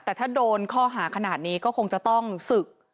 แต่ถ้าโดนข้อหาขนาดนี้ก็คงจะต้องศึก